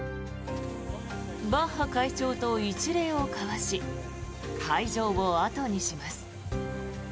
バッハ会長と一礼を交わし会場を後にします。